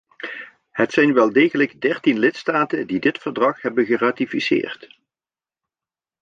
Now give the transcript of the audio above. Het zijn wel degelijk dertien lidstaten die dit verdrag hebben geratificeerd.